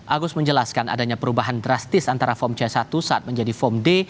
agus menjelaskan adanya perubahan drastis antara form c satu saat menjadi form d